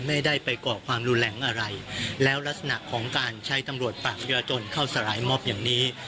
ไม่ได้ไปก่อความรุนแรงอะไรแล้วลักษณะของการใช้ตำรวจปากพญาจนเข้าสลายมอบอย่างนี้